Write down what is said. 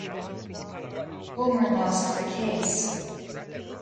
Bulmer lost the case.